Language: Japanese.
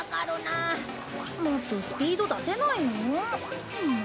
もっとスピード出せないの？